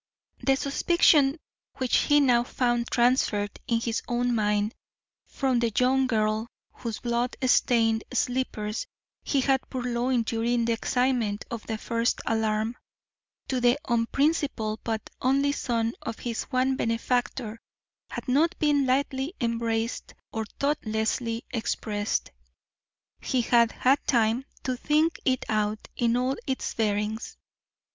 The suspicion which he now found transferred in his own mind from the young girl whose blood stained slippers he had purloined during the excitement of the first alarm, to the unprincipled but only son of his one benefactor, had not been lightly embraced or thoughtlessly expressed. He had had time to think it out in all its bearings.